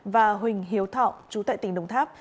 và huỳnh hiếu thọ chú tại tỉnh đồng tháp